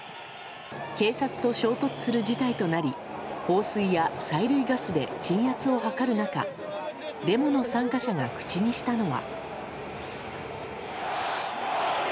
警察と衝突する事態となり放水や催涙ガスで鎮圧を図る中デモの参加者が口にしたのは。